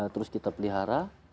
terus kita pelihara